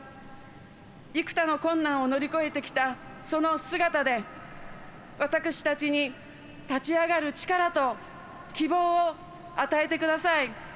幾多の困難を乗り越えてきたその姿で私たちに立ち上がる力と希望を与えてください。